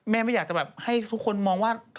ไม่อยากจะแบบให้ทุกคนมองว่า